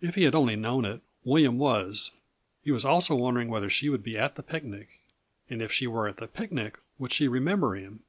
If he had only known it, William was; he was also wondering whether she would be at the picnic. And if she were at the picnic, would she remember him?